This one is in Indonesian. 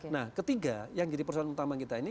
nah ketiga yang jadi persoalan utama kita ini